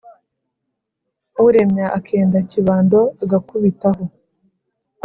Uremya akenda ikibando agakubitaho